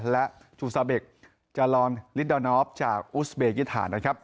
และจูซาเบคจาลอนลิดดานอฟจากอุสเบกิฐานนะครับ